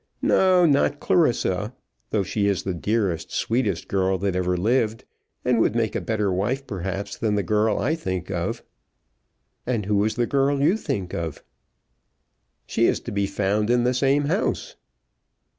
"No; not Clarissa; though she is the dearest, sweetest girl that ever lived, and would make a better wife perhaps than the girl I think of." "And who is the girl you think of?" "She is to be found in the same house."